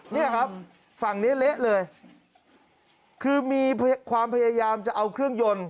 เนี่ยครับฝั่งนี้เละเลยคือมีความพยายามจะเอาเครื่องยนต์